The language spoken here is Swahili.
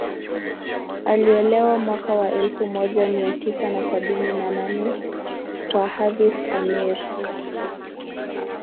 Aliolewa mwaka wa elfu moja Mia tisa na sabini na nane kwa Hafidh Ameir